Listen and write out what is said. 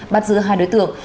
bắt giữ hai đối tượng